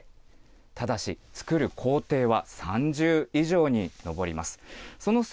ただし、作る工程は３０以上に上ります。